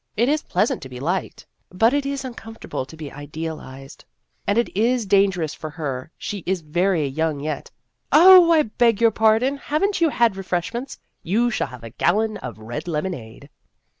It is pleasant to be liked, but it is uncomfortable to be idealized. And it is dangerous for her. She is very young yet. Oh, I beg your pardon ! Have n't you had refreshments ? You shall have a gallon of red lemonade."